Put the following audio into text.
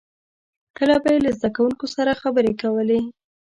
• کله به یې له زدهکوونکو سره خبرې کولې.